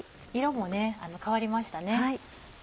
色も変わりましたね。